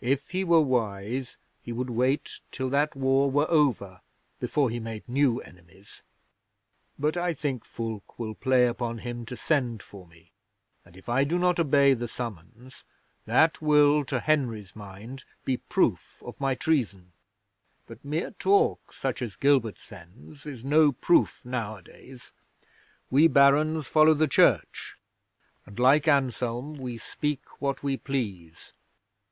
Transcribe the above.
If he were wise he would wait till that war were over before he made new enemies. But I think Fulke will play upon him to send for me, and if I do not obey the summons, that will, to Henry's mind, be proof of my treason. But mere talk, such as Gilbert sends, is no proof nowadays. We Barons follow the Church, and, like Anselm, we speak what we please.